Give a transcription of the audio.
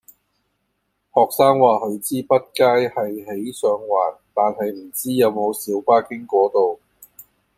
學生話佢知畢街係喺上環，但係唔知有冇小巴經嗰度